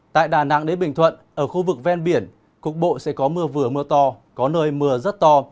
tại đà nẵng đến bình thuận ở khu vực ven biển cục bộ sẽ có mưa vừa mưa to có nơi mưa rất to